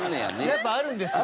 やっぱあるんですよ。